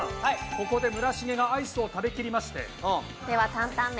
ここで村重がアイスを食べきりまして。